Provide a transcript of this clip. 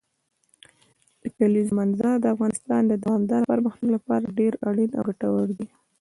د کلیزو منظره د افغانستان د دوامداره پرمختګ لپاره ډېر اړین او ګټور دی.